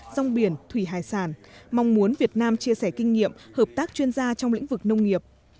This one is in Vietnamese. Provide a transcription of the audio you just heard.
rong biển thủy hải sản mong muốn việt nam chia sẻ kinh nghiệm hợp tác chuyên gia trong lĩnh vực nông nghiệp